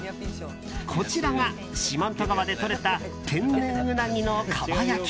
こちらが四万十川でとれた天然ウナギのかば焼き。